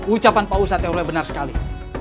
ucapan pak ustadz yang benar sekali